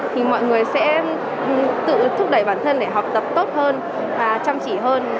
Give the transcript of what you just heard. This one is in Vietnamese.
thì mọi người sẽ tự thúc đẩy bản thân để học tập tốt hơn và chăm chỉ hơn